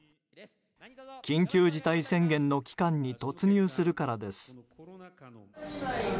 緊急事態宣言の期間に突入するからです。